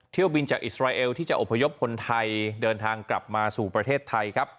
เที่ยวบินจากอิสราเอลที่จะอบพยพคนไทยเดินทางกลับมาสู่ประเทศไทยครับ